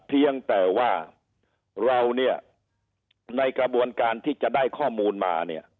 เพียงแต่ว่าเราเนี่ยในกระบวนการที่จะได้ข้อมูลมาเนี่ย